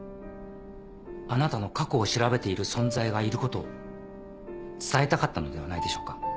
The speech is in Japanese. あなたの過去を調べている存在がいることを伝えたかったのではないでしょうか。